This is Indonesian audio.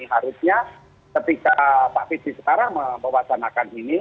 harusnya ketika pak fiji sekarang memperwakamakan ini